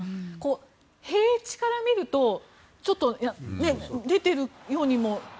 平地から見るとちょっと出てるようにも。